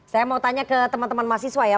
saya mau tanya ke teman teman mahasiswa ya